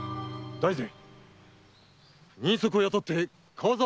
大膳。